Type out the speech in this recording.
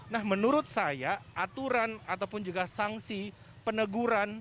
nah menurut saya aturan ataupun juga sanksi peneguran